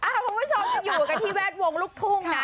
คุณผู้ชมยังอยู่กันที่แวดวงลูกทุ่งนะ